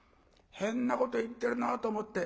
変なこと言ってるなと思って。